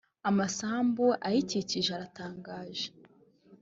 amasambu ayikikije aratangaje.